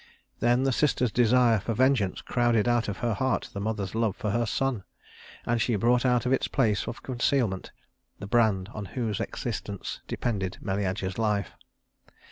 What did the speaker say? Then the sister's desire for vengeance crowded out of her heart the mother's love for her son; and she brought out of its place of concealment the brand on whose existence depended Meleager's life.